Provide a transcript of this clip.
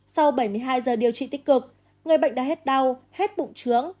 sau bảy mươi hai giờ điều trị tích cực người bệnh đã hết đau hết bụng trướng